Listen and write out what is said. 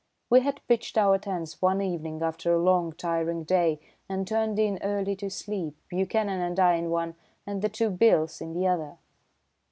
We had pitched our tents one evening after a long, tiring day, and turned in early to sleep, Buchanan and I in one, and the two Bhils in the other."